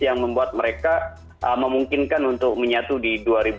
yang membuat mereka memungkinkan untuk menyatu di dua ribu dua puluh